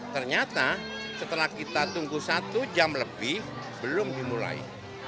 ternyata setelah kita tunggu satu jam lebih belum dimulai